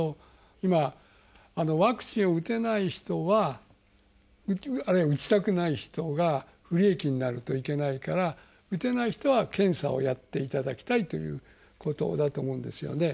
今、ワクチンを打てない人はあるいは打ちたくない人が不利益になるといけないから打てない人は検査をやっていただきたいということだと思うんですよね。